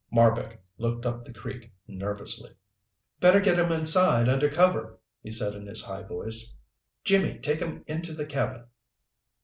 Marbek looked up the creek nervously. "Better get 'em inside under cover," he said in his high voice. "Jimmy, take 'em into the cabin."